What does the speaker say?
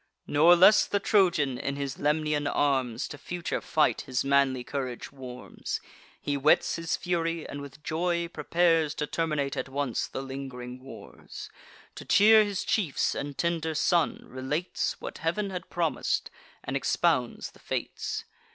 Nor less the Trojan, in his Lemnian arms, To future fight his manly courage warms: He whets his fury, and with joy prepares To terminate at once the ling'ring wars; To cheer his chiefs and tender son, relates What Heav'n had promis'd, and expounds the fates.